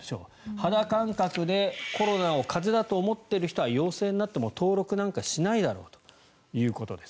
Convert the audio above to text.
肌感覚でコロナを風邪だと思っている人は陽性になっても登録なんかしないだろうということです。